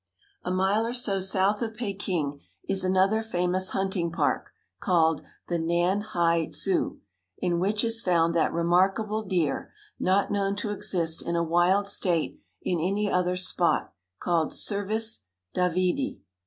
A mile or so south of Peking is another famous hunting park, called the Nan hai tzu, in which is found that remarkable deer, not known to exist in a wild state in any other spot, called Cervus davidi.